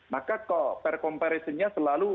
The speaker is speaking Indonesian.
maka kok per comparison nya selalu